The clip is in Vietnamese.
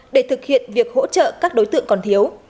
để thực hiện việc hỗ trợ các đối tượng còn thiếu